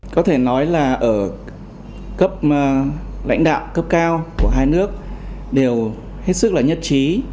có thể nói là ở cấp lãnh đạo cấp cao của hai nước đều hết sức là nhất trí